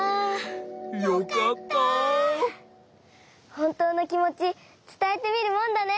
ほんとうのきもちつたえてみるもんだね。